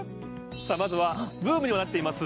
まずはブームにもなっています